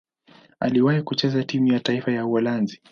Aliwahi kucheza timu ya taifa ya Uholanzi.